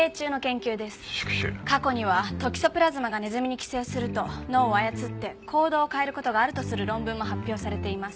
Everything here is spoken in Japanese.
過去にはトキソプラズマがネズミに寄生すると脳を操って行動を変える事があるとする論文も発表されています。